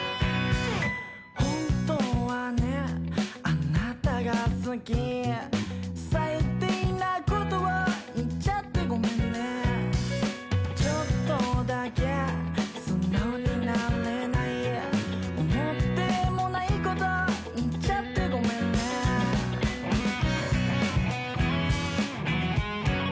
あなたが好き最低なことを言っちゃってごめんねちょっとだけ素直になれない思ってもないこと言っちゃってごめんね